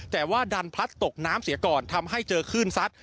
แต่ว่าดันพลัดตกน้ำเสียก่อนทำให้เจอคลื่นซัด